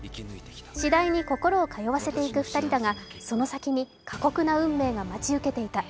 次第に心を通わせていく２人だが、その先に過酷な運命が待ち受けていた。